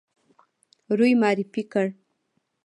روی معرفي کړ.